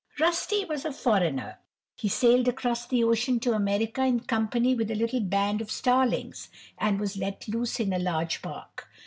Rusty was a foreigner; he sailed across the ocean to America in company with a little band of starlings, and was let loose in a large park.